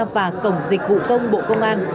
và cổng dịch vụ công bộ công an